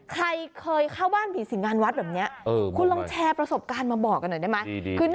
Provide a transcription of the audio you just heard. ใครเคยเข้าบ้านผีสิงงานวัดแบบนี้คุณลองแชร์ประสบการณ์มาบอกกันหน่อยได้ไหม